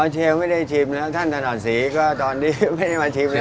อ๋อเชลวไม่ได้ชิมนะท่านถนัดศรีก็ตอนนี้ไม่ได้มาชิมนะ